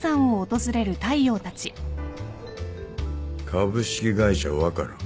株式会社ワカラン？